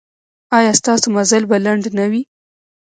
ایا ستاسو مزل به لنډ نه وي؟